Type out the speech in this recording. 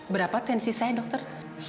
berapa tensi saya dokter